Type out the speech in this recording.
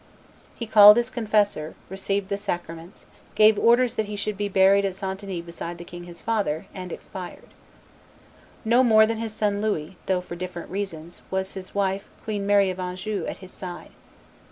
He called his confessor, received the sacraments, gave orders that he should be buried at St. Denis beside the king his father, and expired. No more than his son Louis, though for different reasons, was his wife, Queen Mary of Anjou, at his side.